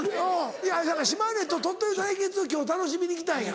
いやだから島根と鳥取の対決を今日楽しみに来たんや。